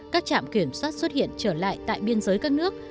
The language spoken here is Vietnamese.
các trạm kiểm soát xuất hiện trở lại tại biên giới các nước